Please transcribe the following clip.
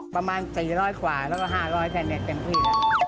ประมาณ๔๐๐กว่าแล้วก็๕๐๐เทนเน็ตเต็มที่แล้ว